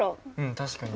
確かに。